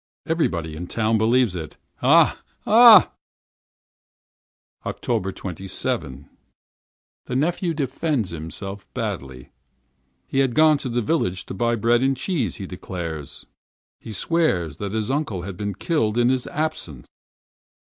Everybody in town believes it. Ah! ah! 27th October. The nephew makes a very poor witness. He had gone to the village to buy bread and cheese, he declared. He swore that his uncle had been killed in his absence!